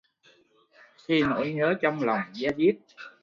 Khi nỗi nhớ trong lòng da diết